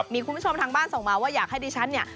มีคุณผู้ชมทางบ้านส่งมาว่าอยากให้ดิฉันเนี่ย